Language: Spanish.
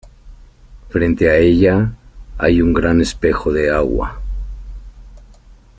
Frente a ella hay un gran espejo de agua.